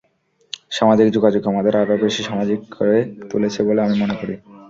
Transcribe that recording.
সামাজিক যোগাযোগ আমাদের আরও বেশি সামাজিক করে তুলেছে বলে আমি মনে করি।